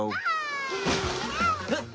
えっ？